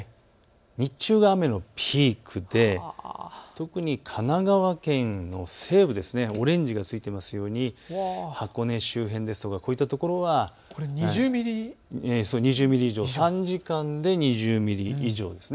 日中が雨のピークで特に神奈川県の西部オレンジがついているように箱根周辺、こういったところは２０ミリ以上、３時間で２０ミリ以上です。